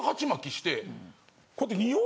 こうやって。